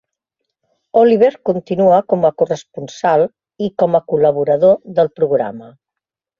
Oliver continua com a corresponsal i com a col·laborador del programa.